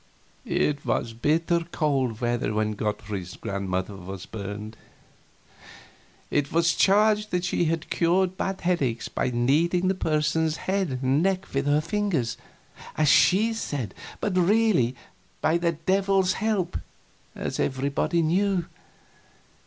It was bitter cold weather when Gottfried's grandmother was burned. It was charged that she had cured bad headaches by kneading the person's head and neck with her fingers as she said but really by the Devil's help, as everybody knew.